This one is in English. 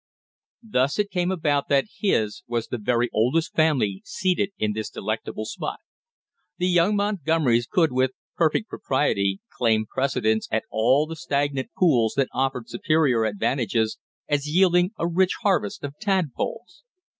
Thus it came about that his was the very oldest family seated in this delectable spot. The young Montgomerys could with perfect propriety claim precedence at all the stagnant pools that offered superior advantages as yielding a rich harvest of tadpoles.